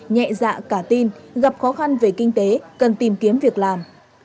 nhẹ dạ cả tin gặp khó khăn về kinh tế cần tìm kiếm việc làm